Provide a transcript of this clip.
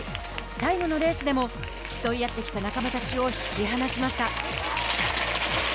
最後のレースでも競い合ってきた仲間たちを引き離しました。